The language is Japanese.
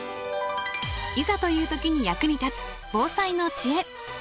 いざという時に役に立つ防災の知恵。